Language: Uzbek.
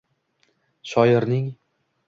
Shoirning